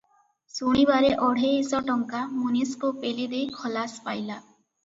ଶୁଣିବାରେ ଅଢ଼େଇଶ ଟଙ୍କା ମୁନିସ୍କୁ ପେଲିଦେଇ ଖଲାସ ପାଇଲା ।